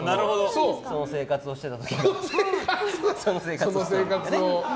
その生活をしてた時に。